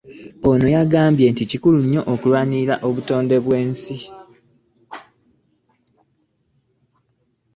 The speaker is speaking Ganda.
Ono yagambye nti kikulu nnyo okulwanirira obutonde bw'ensi